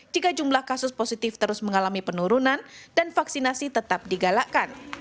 jika jumlah kasus positif terus mengalami penurunan dan vaksinasi tetap digalakkan